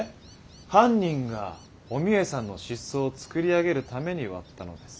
犯人がお三枝さんの失踪を作り上げるために割ったのです。